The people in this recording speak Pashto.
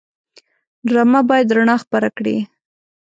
ډرامه باید رڼا خپره کړي